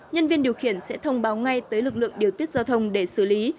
nhân viên điều khiển sẽ thông báo ngay tới lực lượng điều tiết giao thông để xử lý